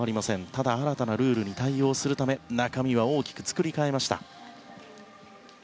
ただ新たなルールに対応するため中身は大きく作り変えました。